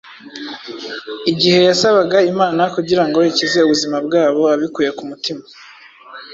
Igihe yasabaga Imana kugira ngo ikize ubuzima bwabo abikuye ku mutima,